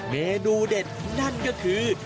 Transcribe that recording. เมนูเด็ดนั่นก็คือ